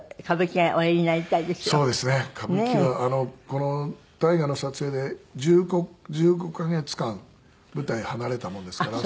この大河の撮影で１５カ月間舞台を離れたものですから。